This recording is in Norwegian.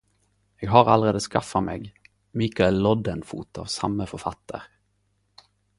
Eg har allereie skaffa meg Mikael Loddenfot av same forfattar.